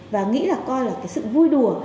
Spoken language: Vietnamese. và nghĩ là coi là cái sự vui đùa